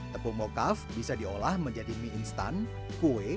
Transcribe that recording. tepung mocav bisa diolah menjadi mie instan kue